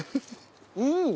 うん！